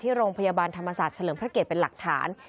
โรงพยาบาลธรรมศาสตร์เฉลิมพระเกตเป็นหลักฐาน